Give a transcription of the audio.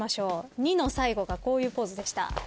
２の最後はこういうポーズでした。